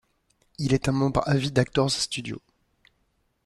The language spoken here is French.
Il est un membre à vie d'Actors Studio.